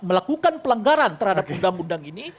melakukan pelanggaran terhadap undang undang ini